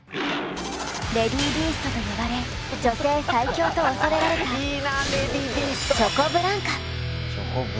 レディ・ビーストと呼ばれ女性最強と恐れられたチョコブランカ。